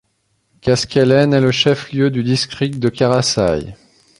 Kaskelen est le chef-lieu du district de Karasaï.